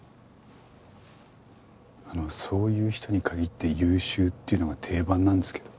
あのそういう人に限って優秀っていうのが定番なんですけど。